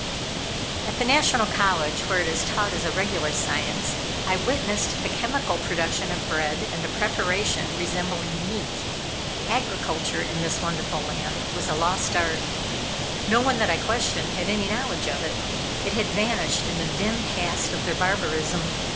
At the National College, where it is taught as a regular science, I witnessed the chemical production of bread and a preparation resembling meat. Agriculture in this wonderful land, was a lost art. No one that I questioned had any knowledge of it. It had vanished in the dim past of their barbarism.